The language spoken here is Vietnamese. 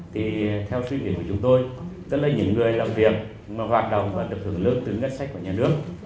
thì theo suy nghĩ của chúng tôi tức là những người làm việc hoạt động và được hưởng lượng từ ngất sách của nhà nước